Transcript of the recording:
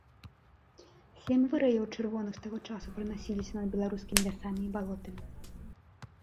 Сем выраяў чырвоных з таго часу пранасіліся над беларускімі лясамі і балотамі.